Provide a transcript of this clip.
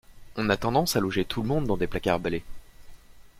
On a tendance à loger tout le monde dans des placards à balais.